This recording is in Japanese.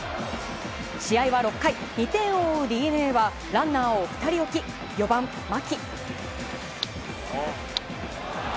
試合は６回２点を追うＤｅＮＡはランナーを２人置き４番、牧。